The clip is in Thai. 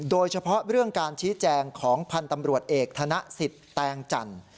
โดยเฉพาะเรื่องการชี้แจงของพันธ์ตำรวจเอกธนสิทธิ์แตงจันทร์